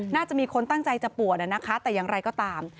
น่าจะมีคนตั้งใจจะปวดนะคะแต่อย่างไรก็ตาม